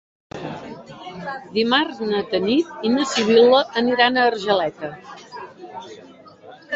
Dimarts na Tanit i na Sibil·la aniran a Argeleta.